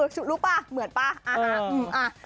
ชุดรูปป่ะเหมือนป่ะอ่าฮะ